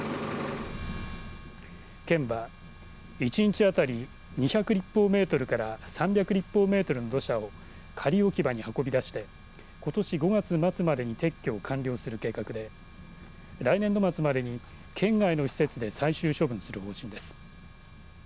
県は、１日当たり２００立方メートルから３００立方メートルの土砂を仮置き場に運び出してことし５月末までに撤去を完了する計画で来年度末までに県外の施設で最終処分する方針です。